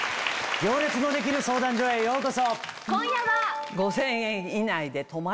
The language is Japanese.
『行列のできる相談所』へようこそ。